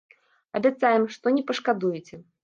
Абяцаем, што не пашкадуеце.